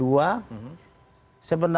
kepangkatannya di situ berada dua